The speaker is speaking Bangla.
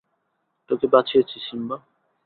তোকে বাঁচিয়েছি, সিম্বা!